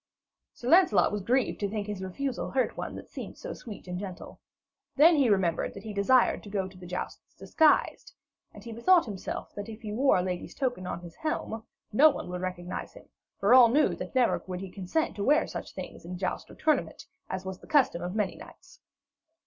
Sir Lancelot was grieved to think his refusal hurt one that seemed so sweet and gentle. Then he remembered that he desired to go to the jousts disguised, and he bethought him that if he wore a lady's token in his helm, no one would recognise him, for all knew that never would he consent to wear such things in joust or tournament, as was the custom of many knights.